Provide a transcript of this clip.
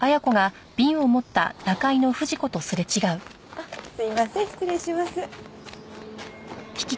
あっすいません失礼します。